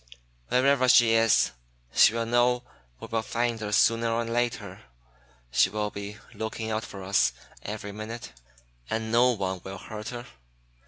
Wherever she is, she will know we will find her sooner or later. She will be looking out for us every minute. And no one will hurt her.